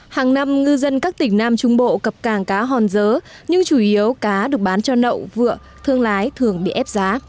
hàng năm ngư dân các tỉnh nam trung bộ cập cảng cá hòn dớ nhưng chủ yếu cá được bán cho nậu vựa thương lái thường bị ép giá